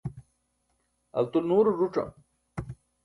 altul nuuro ẓuc̣am